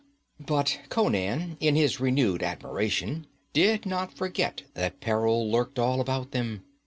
But Conan, in his renewed admiration, did not forget that peril lurked all about them.